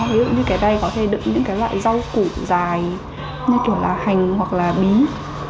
ví dụ như cái đây có thể đựng những cái loại rau củ dài như kiểu là hành hoặc là bí